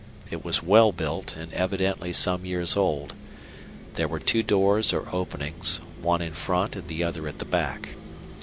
It was well built and evidently some years old. There were two doors or openings, one in front and the other at the back.